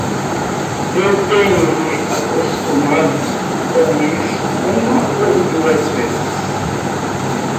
Eu tenho me acostumado com isso uma ou duas vezes.